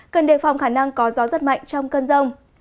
cần đề phòng khả năng có gió rất mạnh trong cơn rông